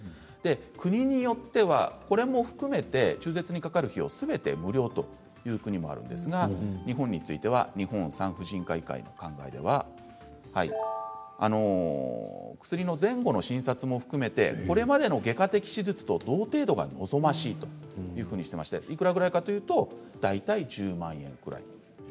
国によってはこれも含めて中絶にかかる費用すべて無料という国もあるんですが日本については日本産婦人科医会の考えは薬の前後の診察も含めてこれまでの外科的手術と同程度が望ましいというふうにしていていくらくらいかかるかというと大体１０万円くらい。